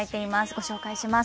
ご紹介します。